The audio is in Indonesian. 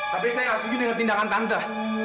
tapi saya nggak setuju dengan tindakan tante